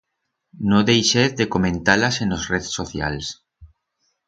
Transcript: No deixez de comentar-las en os rez socials.